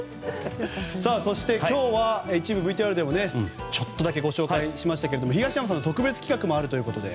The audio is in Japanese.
そして、今日は一部ＶＴＲでもちょっとだけご紹介しましたけれども東山さんは特別企画もあるということで。